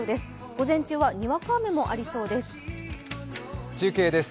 午前中はにわか雨もありそうです。